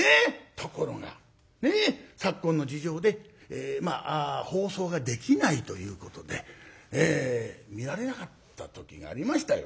ところが昨今の事情で放送ができないということで見られなかった時がありましたよ。